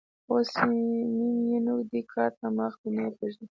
اوس م ېنو دې کار ته مخ دی؛ نه يې پرېږدم.